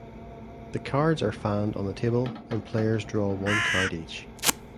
The cards are fanned on the table and players draw one card each.